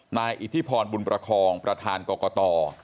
อิทธิพรบุญประคองประธานกรกต